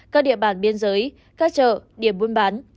các địa bàn biên giới các chợ điểm buôn bán